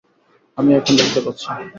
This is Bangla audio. আমি এখন দেখতে পাচ্ছি।